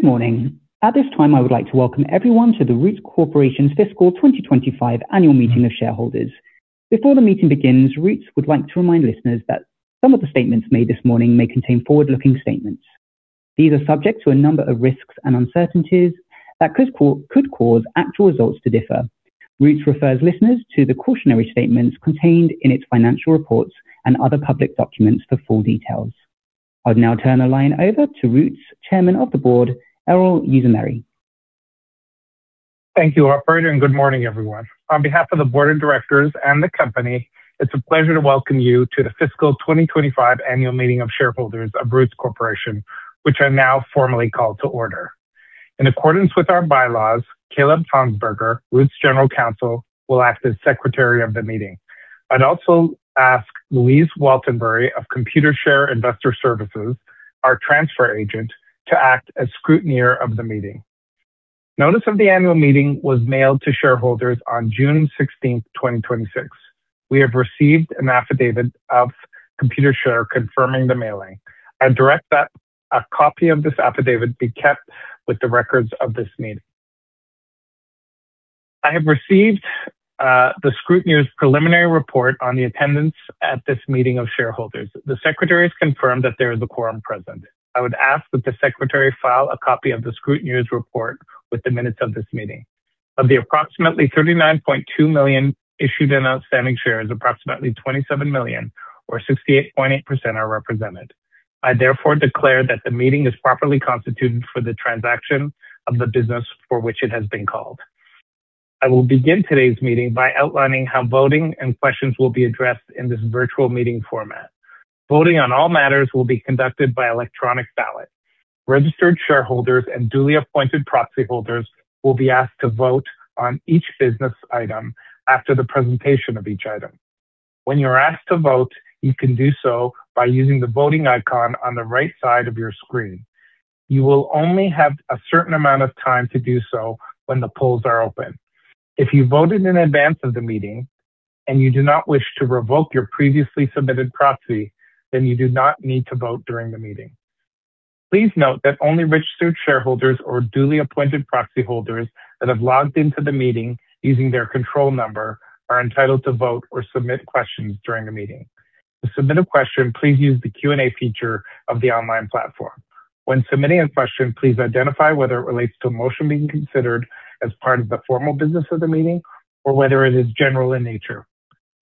Good morning. At this time, I would like to welcome everyone to the Roots Corporation Fiscal 2025 Annual Meeting of Shareholders. Before the meeting begins, Roots would like to remind listeners that some of the statements made this morning may contain forward-looking statements. These are subject to a number of risks and uncertainties that could cause actual results to differ. Roots refers listeners to the cautionary statements contained in its financial reports and other public documents for full details. I will now turn the line over to Roots Chairman of the Board, Erol Uzumeri. Thank you, operator, and good morning, everyone. On behalf of the board of directors and the company, it is a pleasure to welcome you to the Fiscal 2025 Annual Meeting of Shareholders of Roots Corporation, which I now formally call to order. In accordance with our bylaws, Kaleb Honsberger, Roots General Counsel, will act as secretary of the meeting. I would also ask Louise Waltenbury of Computershare Investor Services, our transfer agent, to act as scrutineer of the meeting. Notice of the annual meeting was mailed to shareholders on June 16th, 2026. We have received an affidavit of Computershare confirming the mailing. I direct that a copy of this affidavit be kept with the records of this meeting. I have received the scrutineer's preliminary report on the attendance at this meeting of shareholders. The secretary has confirmed that there is a quorum present. I would ask that the secretary file a copy of the scrutineer's report with the minutes of this meeting. Of the approximately 39.2 million issued and outstanding shares, approximately 27 million, or 68.8%, are represented. I therefore declare that the meeting is properly constituted for the transaction of the business for which it has been called. I will begin today's meeting by outlining how voting and questions will be addressed in this virtual meeting format. Voting on all matters will be conducted by electronic ballot. Registered shareholders and duly appointed proxy holders will be asked to vote on each business item after the presentation of each item. When you are asked to vote, you can do so by using the voting icon on the right side of your screen. You will only have a certain amount of time to do so when the polls are open. If you voted in advance of the meeting and you do not wish to revoke your previously submitted proxy, then you do not need to vote during the meeting. Please note that only registered shareholders or duly appointed proxy holders that have logged into the meeting using their control number are entitled to vote or submit questions during the meeting. To submit a question, please use the Q&A feature of the online platform. When submitting a question, please identify whether it relates to a motion being considered as part of the formal business of the meeting or whether it is general in nature.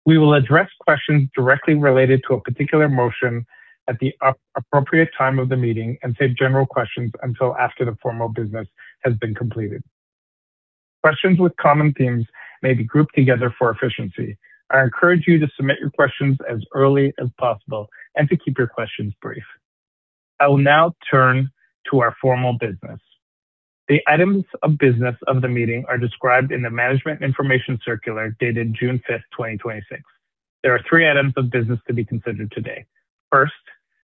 We will address questions directly related to a particular motion at the appropriate time of the meeting and save general questions until after the formal business has been completed. Questions with common themes may be grouped together for efficiency. I encourage you to submit your questions as early as possible and to keep your questions brief. I will now turn to our formal business. The items of business of the meeting are described in the management information circular dated June 5th, 2026. There are three items of business to be considered today. First,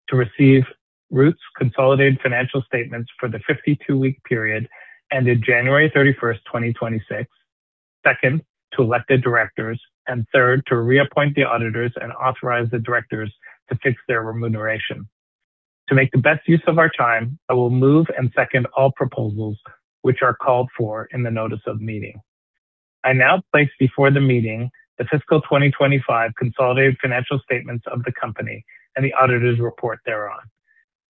to receive Roots' consolidated financial statements for the 52-week period ended January 31st, 2026. Second, to elect the directors. Third, to reappoint the auditors and authorize the directors to fix their remuneration. To make the best use of our time, I will move and second all proposals which are called for in the notice of meeting. I now place before the meeting the fiscal 2025 consolidated financial statements of the company and the auditor's report thereon.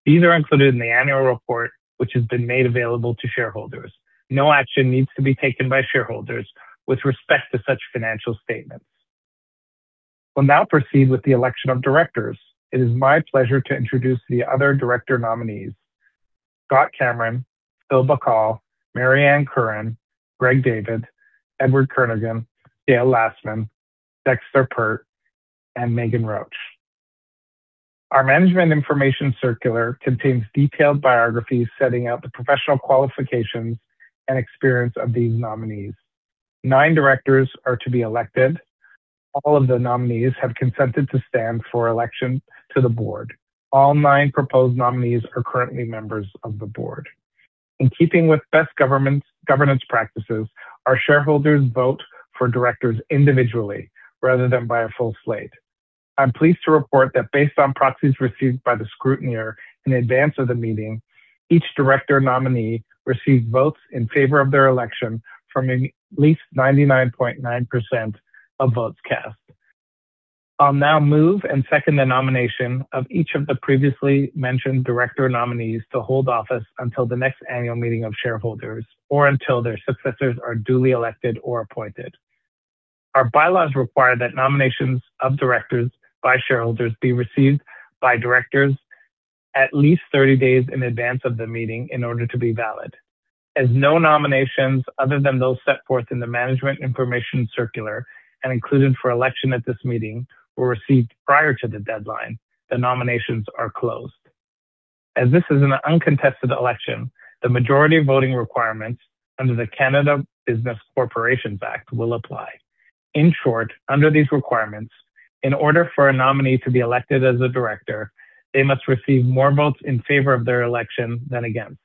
These are included in the annual report, which has been made available to shareholders. No action needs to be taken by shareholders with respect to such financial statements. We'll now proceed with the election of directors. It is my pleasure to introduce the other director nominees: Scott Cameron, Phil Bacal, Mary Ann Curran, Greg David, Edward Kernaghan, Dale Lastman, Dexter Peart, and Meghan Roach. Our management information circular contains detailed biographies setting out the professional qualifications and experience of these nominees. Nine directors are to be elected. All of the nominees have consented to stand for election to the board. All nine proposed nominees are currently members of the board. In keeping with best governance practices, our shareholders vote for directors individually rather than by a full slate. I'm pleased to report that based on proxies received by the scrutineer in advance of the meeting, each director nominee received votes in favor of their election from at least 99.9% of votes cast. I'll now move and second the nomination of each of the previously mentioned director nominees to hold office until the next annual meeting of shareholders or until their successors are duly elected or appointed. Our bylaws require that nominations of directors by shareholders be received by directors at least 30 days in advance of the meeting in order to be valid. As no nominations other than those set forth in the management information circular and included for election at this meeting were received prior to the deadline, the nominations are closed. As this is an uncontested election, the majority voting requirements under the Canada Business Corporations Act will apply. In short, under these requirements, in order for a nominee to be elected as a director, they must receive more votes in favor of their election than against.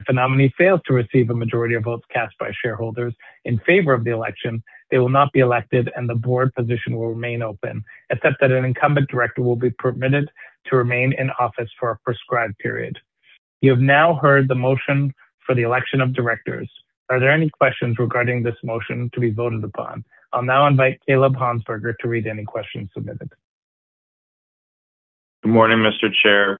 If a nominee fails to receive a majority of votes cast by shareholders in favor of the election, they will not be elected and the board position will remain open, except that an incumbent director will be permitted to remain in office for a prescribed period. You have now heard the motion for the election of directors. Are there any questions regarding this motion to be voted upon? I'll now invite Kaleb Honsberger to read any questions submitted. Good morning, Mr. Chair.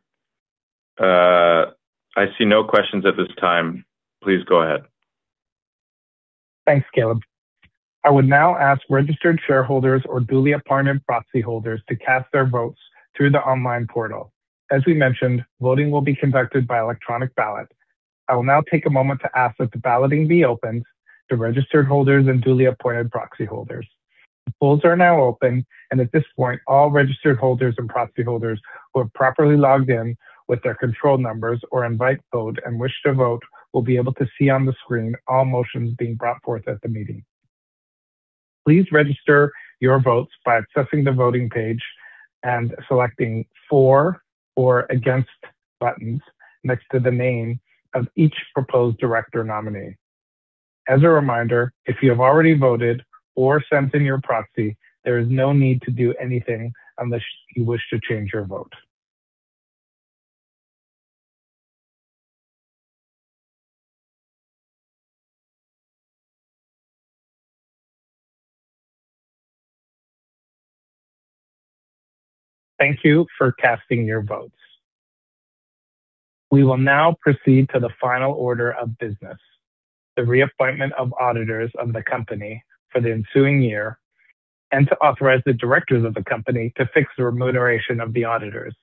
I see no questions at this time. Please go ahead. Thanks, Kaleb. I would now ask registered shareholders or duly appointed proxy holders to cast their votes through the online portal. As we mentioned, voting will be conducted by electronic ballot. I will now take a moment to ask that the balloting be opened to registered holders and duly appointed proxy holders. The polls are now open, and at this point, all registered holders and proxy holders who have properly logged in with their control numbers or invite code and wish to vote will be able to see on the screen all motions being brought forth at the meeting. Please register your votes by accessing the voting page and selecting For or Against buttons next to the name of each proposed director nominee. As a reminder, if you have already voted or sent in your proxy, there is no need to do anything unless you wish to change your vote. Thank you for casting your votes. We will now proceed to the final order of business, the reappointment of auditors of the company for the ensuing year, and to authorize the directors of the company to fix the remuneration of the auditors.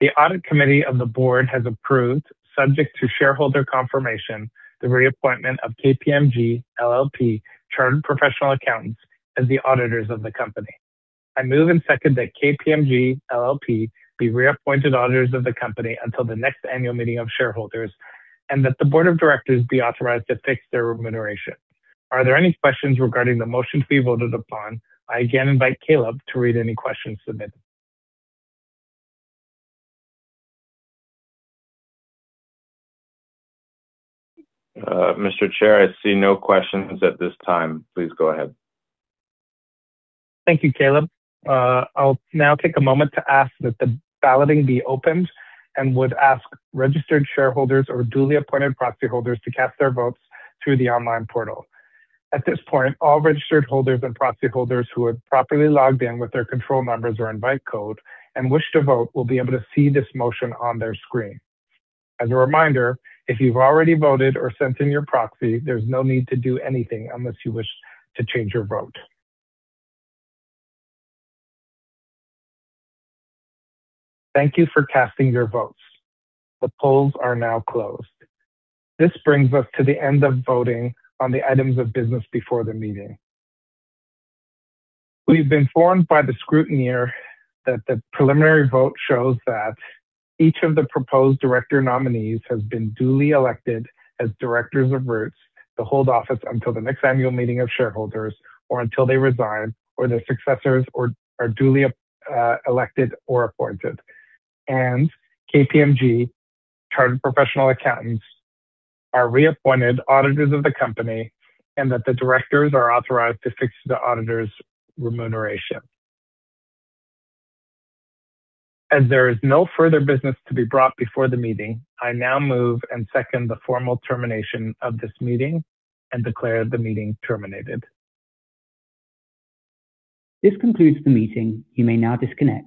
The audit committee of the board has approved, subject to shareholder confirmation, the reappointment of KPMG LLP, Chartered Professional Accountants, as the auditors of the company. I move and second that KPMG LLP be reappointed auditors of the company until the next annual meeting of shareholders, and that the board of directors be authorized to fix their remuneration. Are there any questions regarding the motion to be voted upon? I again invite Kaleb to read any questions submitted. Mr. Chair, I see no questions at this time. Please go ahead. Thank you, Kaleb. I will now take a moment to ask that the balloting be opened and would ask registered shareholders or duly appointed proxy holders to cast their votes through the online portal. At this point, all registered holders and proxy holders who have properly logged in with their control numbers or invite code and wish to vote will be able to see this motion on their screen. As a reminder, if you have already voted or sent in your proxy, there is no need to do anything unless you wish to change your vote. Thank you for casting your votes. The polls are now closed. This brings us to the end of voting on the items of business before the meeting. We have been informed by the scrutineer that the preliminary vote shows that each of the proposed director nominees has been duly elected as directors of Roots to hold office until the next annual meeting of shareholders, or until they resign or their successors are duly elected or appointed. KPMG Chartered Professional Accountants are reappointed auditors of the company and that the directors are authorized to fix the auditors' remuneration. As there is no further business to be brought before the meeting, I now move and second the formal termination of this meeting and declare the meeting terminated. This concludes the meeting. You may now disconnect.